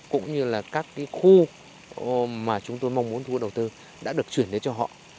cũng như là các cái khu mà chúng tôi mong muốn thu hút đầu tư đã được chuyển đến cho họ